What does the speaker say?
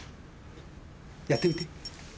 やってみて。